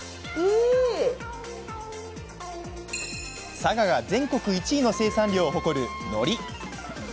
佐賀が全国１位の生産量を誇るのり。